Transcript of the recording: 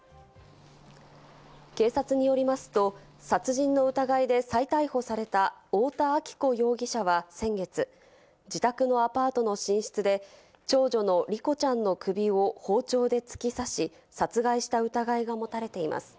警察によりますと、殺人の疑いで再逮捕された太田亜紀子容疑者は先月、自宅のアパートの寝室で、長女の梨心ちゃんの首を包丁で突き刺し、殺害した疑いが持たれています。